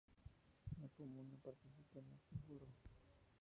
La Comuna participa en este Foro.